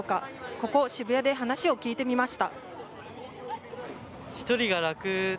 ここ、渋谷で話を聞いてみました。